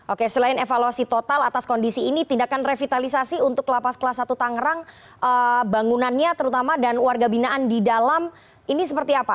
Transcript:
oke selain evaluasi total atas kondisi ini tindakan revitalisasi untuk lapas kelas satu tangerang bangunannya terutama dan warga binaan di dalam ini seperti apa